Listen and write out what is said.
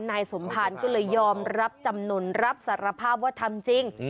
นายสมภารก็เลยยอมรับจำนวนรับสารภาพว่าทำจริง